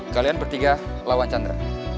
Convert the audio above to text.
kalian bertiga lawan chandra